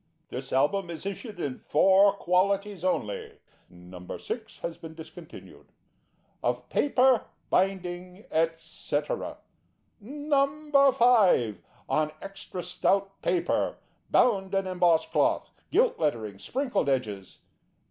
This Album is issued in FOUR qualities only (No. 6 has been discontinued) of paper, binding, &c. No. 5. On extra stout paper, bound in embossed cloth, gilt lettering, sprinkled edges.